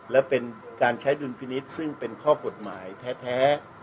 และเป็นการใช้ดุลพินิษฐ์ซึ่งเป็นข้อกฎหมายแท้